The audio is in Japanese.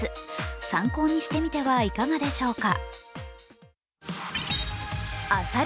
参考にしてみてはいかがでしょうか。